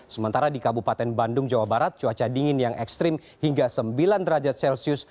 sementara di kabupaten bandung jawa barat cuaca dingin yang ekstrim hingga sembilan derajat celcius